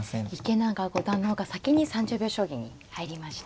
池永五段の方が先に３０秒将棋に入りました。